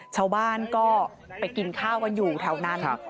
ชาวบ้านก็ไปกินข้าวกันอยู่แถวนั้น